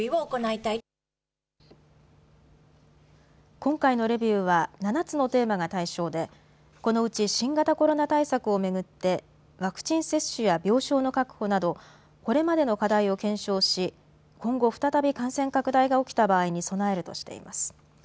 今回のレビューは７つのテーマが対象でこのうち新型コロナ対策を巡って、ワクチン接種や病床の確保などこれまでの課題を検証し今後、再び感染拡大が起きた場合に備えるとしています。